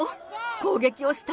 攻撃をした？